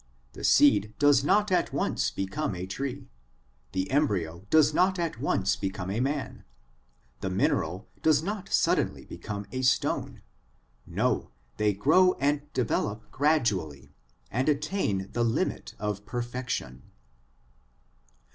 The seed does not at once become a tree, the embryo does not at once become a man, the mineral does not suddenly become a stone. No, they grow and develop gradually, and attain the limit of perfection.